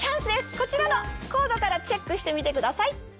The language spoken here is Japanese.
こちらのコードからチェックしてみてください。